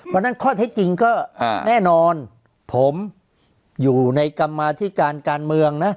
วันนั้นข้อเท็จจริงก็แน่นอนผมอยู่ในกรรมาธิการการเมืองนะ